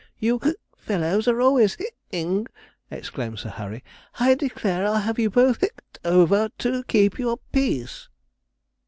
you fellows are always ing,' exclaimed Sir Harry. 'I declare I'll have you both ed over to keep the peace.'